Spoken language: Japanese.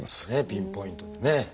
ピンポイントでね。